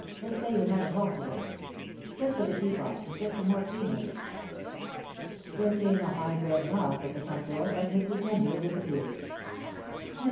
Let's say you're not at home to day. Send for the teapot, and get some more tea made." There came a high bred knock at the front door, and Mrs. Denyer disappeared. Mr.